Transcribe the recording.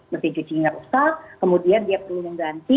mesin cucinya rusak kemudian dia perlu mengganti